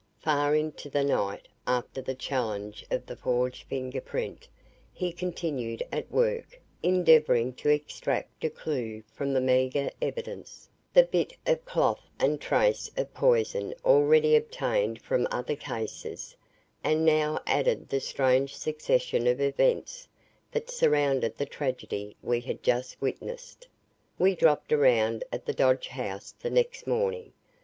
Far into the night, after the challenge of the forged finger print, he continued at work, endeavoring to extract a clue from the meagre evidence the bit of cloth and trace of poison already obtained from other cases, and now added the strange succession of events that surrounded the tragedy we had just witnessed. We dropped around at the Dodge house the next morning.